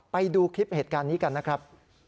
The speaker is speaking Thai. ไปดูคลิปเหตุการณ์นี้กันนะครับ